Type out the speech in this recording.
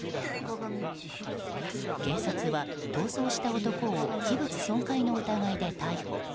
警察は逃走した男を器物損壊の疑いで逮捕。